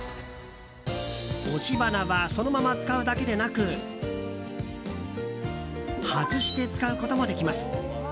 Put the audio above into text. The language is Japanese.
押し花はそのまま使うだけでなく外して使うこともできます。